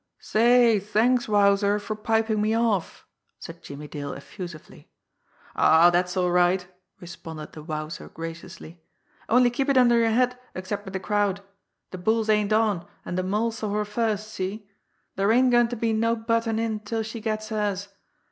"Say, thanks, Wowzer, for piping me off!" said Jimmie Dale effusively. "Oh, dat's all right," responded the Wowzer graciously. "Only keep it under yer hat except wid de crowd. De bulls ain't on, an' de Mole saw her first see? Dere ain't goin' to be no buttin' in till she gets hers!